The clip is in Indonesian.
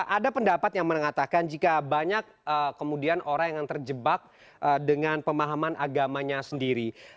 ada pendapat yang mengatakan jika banyak kemudian orang yang terjebak dengan pemahaman agamanya sendiri